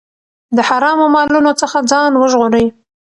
د حرامو مالونو څخه ځان وژغورئ.